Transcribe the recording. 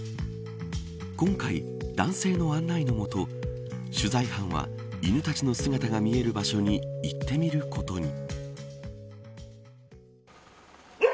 今回、男性の案内のもと取材班は犬たちの姿が見える場所に行ってみることに。